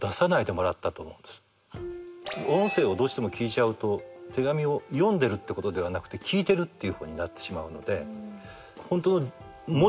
音声をどうしても聞いちゃうと手紙を読んでるってことではなくて聞いてるっていうふうになってしまうので。